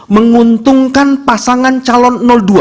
menguntungkan pasangan calon dua